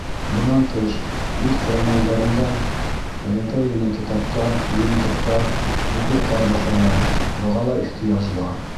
Бынан тыш, үҙ ҡорамалдарында бәләкәй генә китаптар, йыйынтыҡтар, буклеттар баҫалар, быға ла ихтыяж бар.